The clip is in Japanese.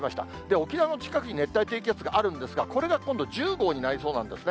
沖縄の近くに熱帯低気圧があるんですが、これが今度、１０号になりそうなんですね。